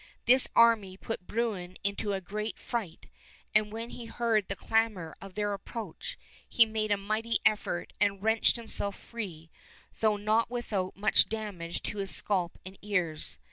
This army put Bruin into a great fright, and when he heard the clamor of their approach he made a mighty effort and wrenched himself free, though not without much damage to his scalp and ears.